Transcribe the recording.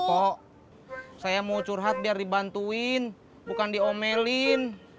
kok saya mau curhat biar dibantuin bukan diomelin